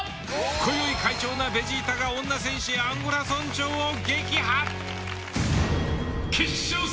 今宵快調なベジータが女戦士アンゴラ村長を撃破。